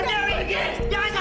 sekarang kamu pergi dari sini